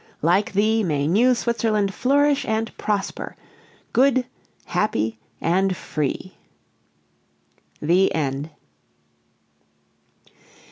Like thee, may New Switzerland flourish and prosper good, happy, and free! THE END.